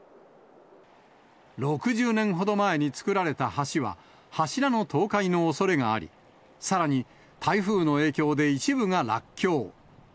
６０年ほど前に作られた橋は、柱の倒壊のおそれがあり、さらに、台風の影響で一部が落橋。